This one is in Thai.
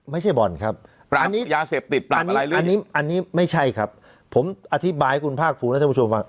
ไม่ใช่บ่อนครับปราบยาเสพติดปราบอะไรรึยังอันนี้ไม่ใช่ครับผมอธิบายคุณภาคภูมินักชมชมฟัง